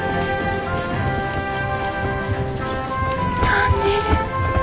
飛んでる。